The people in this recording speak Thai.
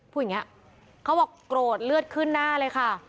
พูดอย่างนี้เขาบอกโกรธเลือดขึ้นหน้าเลยค่ะ